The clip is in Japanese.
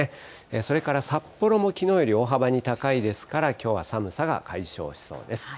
それから札幌もきのうより大幅に高いですから、きょうは寒さが解消しそうです。